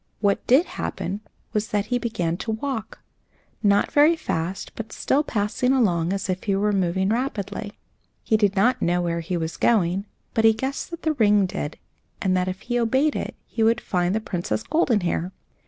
What did happen was that he began to walk, not very fast, but still passing along as if he were moving rapidly. He did not know where he was going, but he guessed that the ring did, and that if he obeyed it, he should find the Princess Goldenhair.